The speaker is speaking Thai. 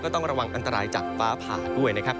ต้องระวังอันตรายจากฟ้าผ่าด้วยนะครับ